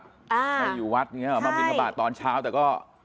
ไม่อยู่วัดมาบิณฑบาตตอนเช้าแต่ก็